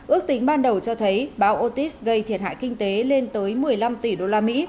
ước tính ban đầu cho thấy bão otis gây thiệt hại kinh tế lên tới một mươi năm tỷ usd